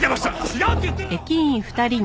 違うって言ってるだろ！